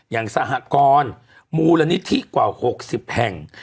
อย่างสหกรมูลนิธิกว่า๖๐แห่ง